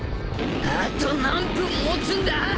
あと何分持つんだ！？